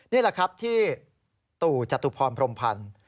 นี่แหละครับที่ตู่จตุพรพรมพันธ์